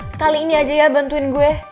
sekali ini aja ya bantuin gue